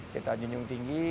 kita junjung tinggi